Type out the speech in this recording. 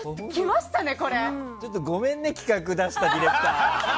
ごめんね企画出したディレクター。